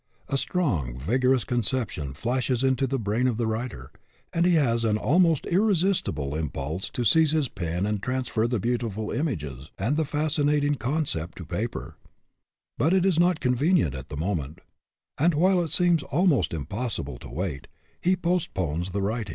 A strong, vigorous conception flashes into the brain of the writer, and he has an almost irresistible impulse to seize his pen and trans fer the beautiful images and the fascinating conception to paper; but it is not convenient at the moment, and, while it seems almost im possible to wait, he postpones the writing.